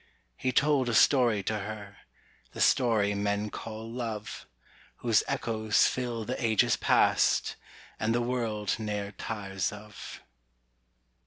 He told a story to her, The story men call Love, Whose echoes fill the ages past, And the world ne'er tires of.